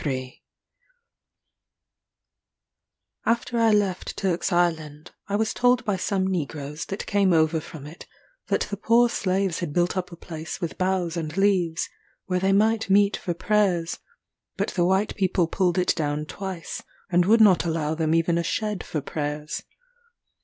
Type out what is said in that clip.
Ed.] After I left Turk's Island, I was told by some negroes that came over from it, that the poor slaves had built up a place with boughs and leaves, where they might meet for prayers, but the white people pulled it down twice, and would not allow them even a shed for prayers.